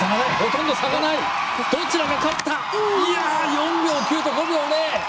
４秒９と５秒０！